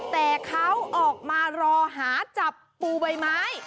แต่เขาออกมารอหาจับปูใบไม้